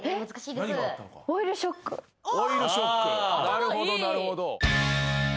なるほどなるほど。